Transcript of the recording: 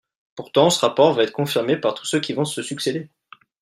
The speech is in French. Pourtant, ce rapport va être confirmé par tous ceux qui vont se succéder.